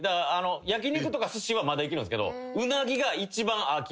焼き肉とかすしはまだいけるんすけど。